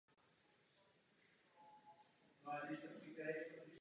Nařízení musí být do společných norem provedena poctivě.